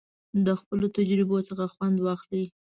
د خپلو تجربو څخه خوند واخلئ.